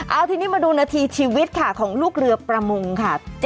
เอาทีนี้มาดูนาทีชีวิตค่ะของลูกเรือประมงค่ะ